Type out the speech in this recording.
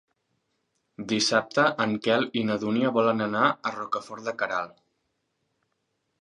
Dissabte en Quel i na Dúnia volen anar a Rocafort de Queralt.